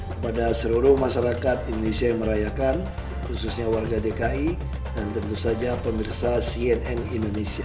kepada seluruh masyarakat indonesia yang merayakan khususnya warga dki dan tentu saja pemirsa cnn indonesia